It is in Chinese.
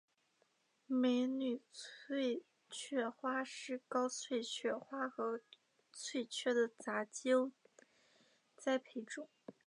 美女翠雀花是高翠雀花和翠雀的杂交栽培种。